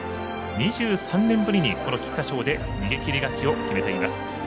２３年ぶりに、この菊花賞で逃げきり勝ちを決めています。